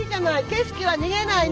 景色は逃げないの！